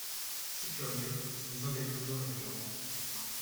C'est curieux, ce besoin d'être toujours dans mes jambes !